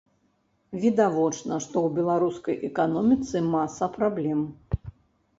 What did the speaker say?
Відавочна, што ў беларускай эканоміцы маса праблем.